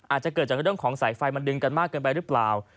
อาจจะเกิดจากเรื่องของสายไฟมันดึงกันมากเกินไปหรือเปล่า